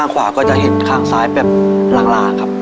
ทับผลไม้เยอะเห็นยายบ่นบอกว่าเป็นยังไงครับ